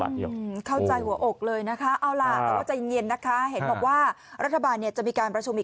เสร็จแม้ชะบักอยู่